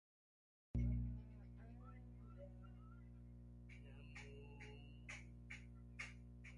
He enters the burning bar to confront Moe, and the two start fighting.